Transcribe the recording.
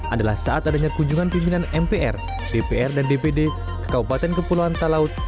adalah saat adanya kunjungan pimpinan mpr dpr dan dpd ke kabupaten kepulauan talaut